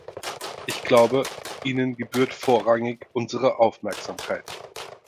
Ich glaube, ihnen gebührt vorrangig unsere Aufmerksamkeit.